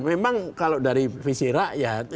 memang kalau dari visi rakyat